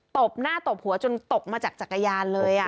ตบหน้าตบหัวจนตกมาจากจักรยานเลย